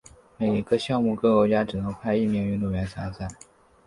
每个项目各国家只能派一名运动员参赛。